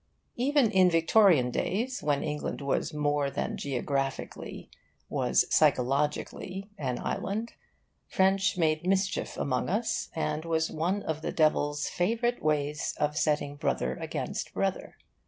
Even in Victorian days, when England was more than geographically, was psychologically an island, French made mischief among us, and was one of the Devil's favourite ways of setting brother against brother.